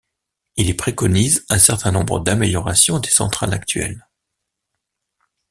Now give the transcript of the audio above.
Il y préconise un certain nombre d'améliorations des centrales actuelles.